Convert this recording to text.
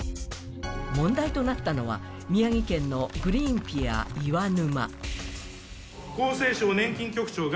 問題となったのは宮城県のグリーンピア岩沼。